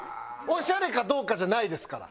オシャレかどうかじゃないですから。